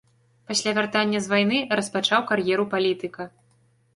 Пасля вяртання з вайны распачаў кар'еру палітыка.